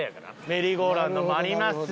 メリーゴーランドもあります。